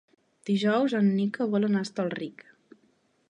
Dijous en Nico vol anar a Hostalric.